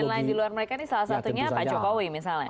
nilai di luar mereka ini salah satunya pak jokowi misalnya